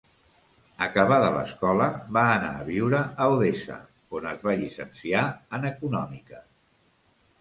Acabada l'escola, va anar a viure a Odessa on es va llicenciar en econòmiques.